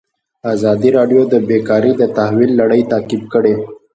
ازادي راډیو د بیکاري د تحول لړۍ تعقیب کړې.